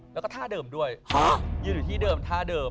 แล้วก็ท่าเดิมด้วยยืนอยู่ที่เดิมท่าเดิม